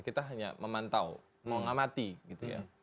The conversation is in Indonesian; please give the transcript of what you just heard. kita hanya memantau mau tidak mati